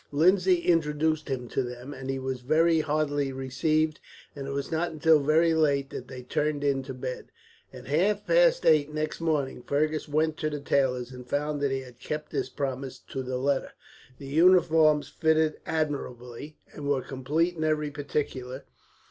Lindsay introduced him to them, and he was very heartily received, and it was not until very late that they turned into bed. At half past eight next morning Fergus went to the tailor's, and found that he had kept his promise, to the letter. The uniforms fitted admirably, and were complete in every particular.